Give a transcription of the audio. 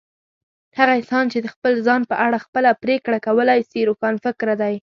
هغه انسان چي د خپل ځان په اړه خپله پرېکړه کولای سي، روښانفکره دی.